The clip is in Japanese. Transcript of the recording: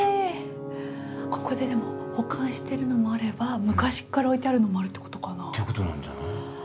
ここででも保管してるのもあれば昔っから置いてあるのもあるってことかな。っていうことなんじゃない？